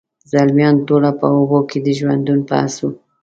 زلمیان ټوله په اوبو کي د ژوندون په هڅو،